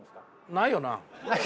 ないよな？